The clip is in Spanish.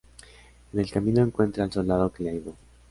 En el camino encuentra al soldado que le ayudó.